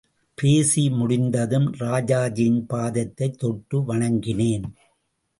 பேசி முடிந்ததும் ராஜாஜியின் பாதத்தைத் தொட்டு, வணங்கினேன்.